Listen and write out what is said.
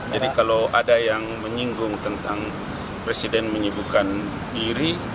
jadi kalau ada yang menyinggung tentang presiden menyibukkan diri